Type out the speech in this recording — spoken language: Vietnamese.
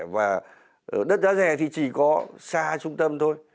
và đất giá rẻ thì chỉ có xa trung tâm thôi